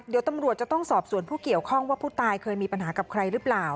เดี๋ยวตำรวจจะต้องสอบส่วนผู้เกี่ยวข้องว่าผู้ตายเคยมีปัญหากับใครหรือเปล่า